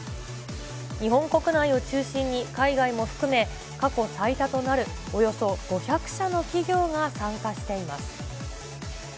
日本国内を中心に海外も含め、過去最多となるおよそ５００社の企業が参加しています。